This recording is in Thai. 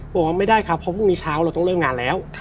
บอกว่าไม่ได้ครับเพราะพรุ่งนี้เช้าเราต้องเริ่มงานแล้ว